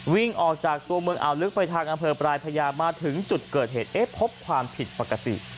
วิ่งออกจากตัวเมืองอ่าวลึกไปทางอำเภอปลายพญามาถึงจุดเกิดเหตุเอ๊ะพบความผิดปกติ